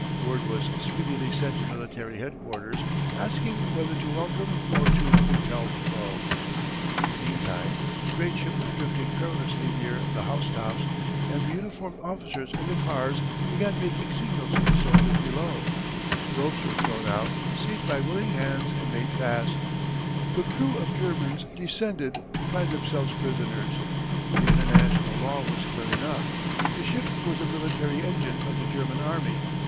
Word was speedily sent to military headquarters asking whether to welcome or to repel the foe. [Illustration: © U. & U. British Aviators about to Ascend. Note position of gunner on lower seat.] Meantime the great ship was drifting perilously near the housetops, and the uniformed officers in the cars began making signals to the soldiers below. Ropes were thrown out, seized by willing hands and made fast. The crew of Germans descended to find themselves prisoners. The international law was clear enough. The ship was a military engine of the German army.